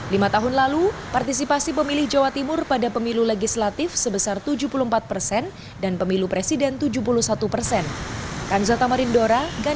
lima tahun lalu partisipasi pemilih jawa timur pada pemilu legislatif sebesar tujuh puluh empat persen dan pemilu presiden tujuh puluh satu persen